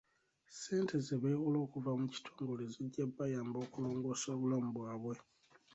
Ssente ze bewola okuva mu kitongole zijja bayamba okulongoosa obulamu bwabwe.